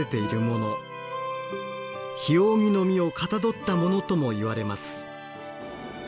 「ひおうぎ」の実をかたどったものともいわれます。